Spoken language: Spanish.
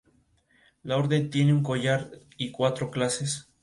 Estas dignidades siguen en su descendencia.